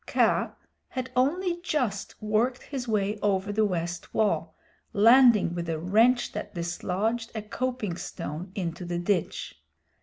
Kaa had only just worked his way over the west wall, landing with a wrench that dislodged a coping stone into the ditch.